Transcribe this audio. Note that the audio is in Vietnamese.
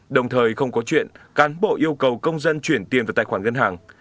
đồng thời không có chuyện cán bộ yêu cầu công dân chuyển tiền vào tài khoản ngân hàng